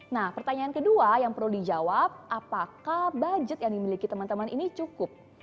nah pertanyaan kedua yang perlu dijawab apakah budget yang dimiliki teman teman ini cukup